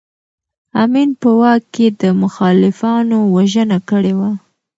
امین په واک کې د مخالفانو وژنه کړې وه.